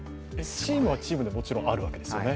チームはチームでもちろんあるわけですよね。